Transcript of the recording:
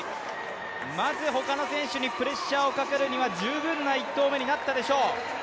まず他の選手にプレッシャーをかけるには十分の１投目になったでしょう。